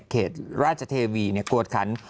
เขตราชเทวีกวดขัน